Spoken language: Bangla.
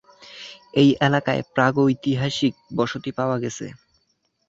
এই এলাকায় প্রাগৈতিহাসিক বসতি পাওয়া গেছে।